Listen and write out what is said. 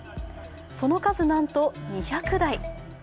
その数なんと２００台。